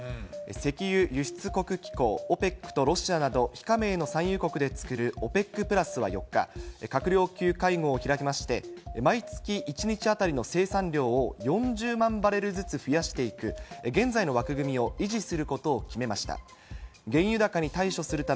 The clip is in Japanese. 石油輸出国機構・ＯＰＥＣとロシアなど、非加盟の産油国で作るＯＰＥＣプラスは４日、閣僚級会合を開きまして、毎月１日当たりの生産量を４０万バレルずつ増やしていく、現在の枠組みを維持することを決めました。